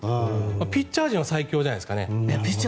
ピッチャー陣は最強じゃないですか？